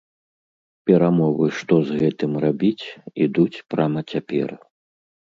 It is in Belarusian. Перамовы, што з гэтым рабіць, ідуць прама цяпер.